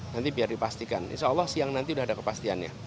nanti biar dipastikan insya allah siang nanti sudah ada kepastiannya